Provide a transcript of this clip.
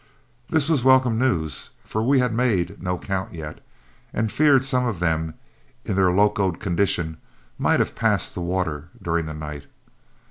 This was welcome news, for we had made no count yet, and feared some of them, in their locoed condition, might have passed the water during the night.